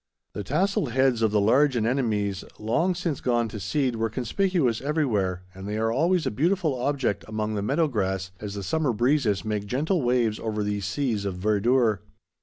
The tasselled heads of the large anemones, long since gone to seed, were conspicuous everywhere, and they are always a beautiful object among the meadow grass as the summer breezes make gentle waves over these seas of verdure.